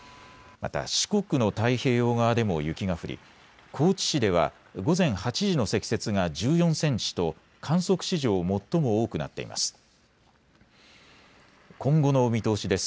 また四国の太平洋側でも雪が降り高知市では午前８時の積雪が１４センチと観測史上最も多くなっています。